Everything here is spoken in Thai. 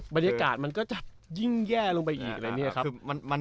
บรรยากาศมันก็จะยิ่งแย่ลงไปอีกอะไรอย่างนี้ครับ